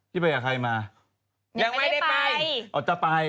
ไปกับใครมายังไม่ได้ไปอ๋อจะไป